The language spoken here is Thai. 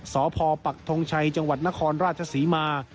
สพปักทงชัยจังหวัดนครราชศรีมา